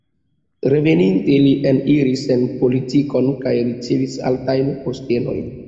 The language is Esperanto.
Reveninte, li eniris en politikon kaj ricevis altajn postenojn.